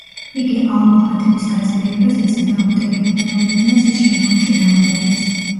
იგი ალმოჰადების გაძლიერებას ეწინააღმდეგებოდა, რომლებმაც ის შემდგომში დაანგრიეს.